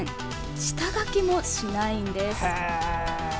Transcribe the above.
下書きもしないんです。